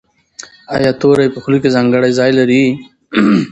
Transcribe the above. ایا توری په خوله کې ځانګړی ځای لري؟